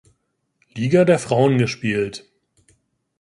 Liga der Frauen gespielt.